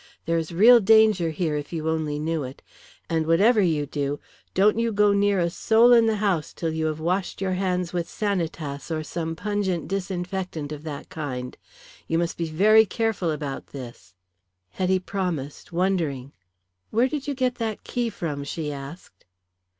There is real danger here if you only knew it. And whatever you do, don't you go near a soul in the house till you have washed your hands with Sanitas or some pungent disinfectant of that kind. You must be very careful about this." Hetty promised, wondering. "Where did you get that key from?" she asked.